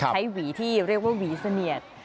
หวีที่เรียกว่าหวีเสนียด